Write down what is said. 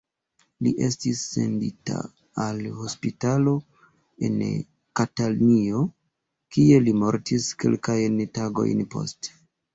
Li estis sendita al hospitalo en Katanio, kie li mortis kelkajn tagojn poste.